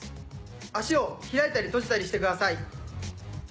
足を開いたり閉じたりしてください。